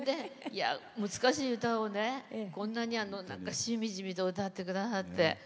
難しい歌を、こんなにしみじみと歌ってくださって。